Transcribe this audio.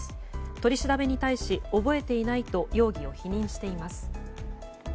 取り調べに対し、覚えていないと容疑を否認しています。